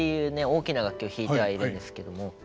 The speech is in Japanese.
大きな楽器を弾いてはいるんですけども。